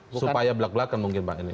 supaya belak belakan mungkin bang ini